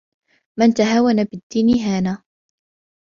مَنْ تَهَاوَنَ بِالدِّينِ هَانَ